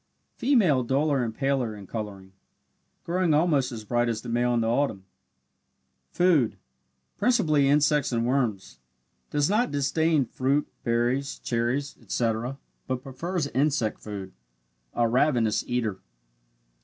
Female duller and paler in colouring, growing almost as bright as the male in the autumn. Food principally insects and worms does not disdain fruit, berries, cherries, etc., but prefers insect food a ravenous eater.